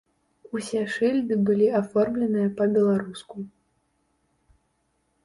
Усе шыльды былі аформленыя па-беларуску.